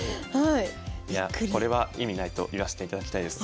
いやこれは意味ないと言わせていただきたいです。